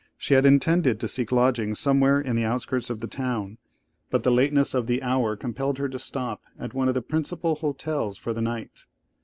She had intended to seek lodging somewhere in the outskirts of the town, but the lateness of the hour compelled her to stop at one of the principal hotels for the night.